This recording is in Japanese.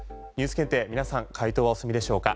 検定、皆さん解答はお済みでしょうか。